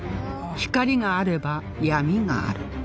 光があれば闇がある